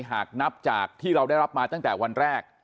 หากนับจากที่เราได้รับมาตั้งแต่วันแรก